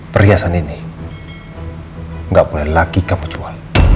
perhiasan ini gak boleh lagi kamu jual